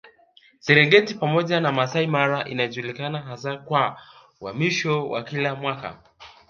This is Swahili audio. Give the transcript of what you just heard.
Serengeti pamoja na Masai Mara inajulikana hasa kwa uhamisho wa kila mwaka